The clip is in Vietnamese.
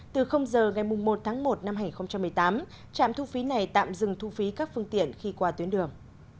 từ giờ ngày một tháng một năm hai nghìn một mươi tám trạm thu phí này tạm dừng thu phí các phương tiện khi qua tuyến đường